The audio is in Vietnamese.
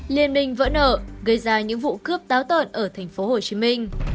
liên minh vỡ nợ gây ra những vụ cướp táo tợn ở thành phố hồ chí minh